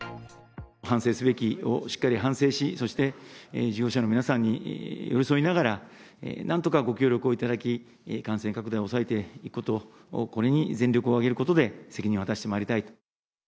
反省すべきをしっかり反省し、そして事業者の皆さんに寄り添いながら、なんとかご協力をいただき、感染拡大を抑えていくこと、これに全力を挙げることで、責任を果たしてまいりたいと。